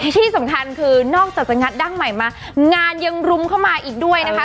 ที่สำคัญคือนอกจากจะงัดดั้งใหม่มางานยังรุมเข้ามาอีกด้วยนะคะ